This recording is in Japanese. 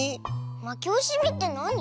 まけおしみってなに？